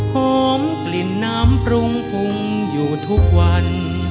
หอมกลิ่นน้ำปรุงฟุ้งอยู่ทุกวัน